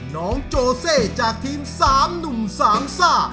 น้องโจเซจากทีม๓หนุ่มสามซ่า